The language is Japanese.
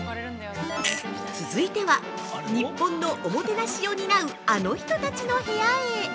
続いては日本のおもてなしを担うあの人たちの部屋へ。